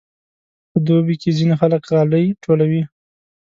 په دوبي کې ځینې خلک غالۍ ټولوي.